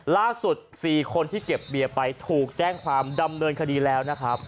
๔คนที่เก็บเบียร์ไปถูกแจ้งความดำเนินคดีแล้วนะครับ